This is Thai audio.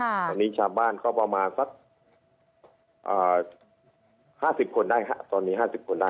ตอนนี้ชาวบ้านก็ประมาณสักอ่าห้าสิบคนได้ครับตอนนี้ห้าสิบคนได้